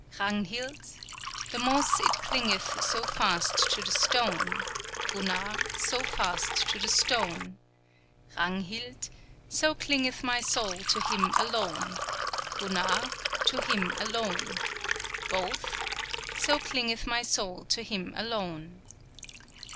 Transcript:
Ragnhild The moss it clingeth so fast to the stone, Gunnar So fast to the stone; Ragnhild So clingeth my Soul to him alone, Gunnar To him alone; Both So clingeth my soul to him alone.